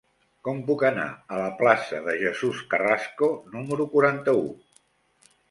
Com puc anar a la plaça de Jesús Carrasco número quaranta-u?